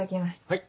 はい！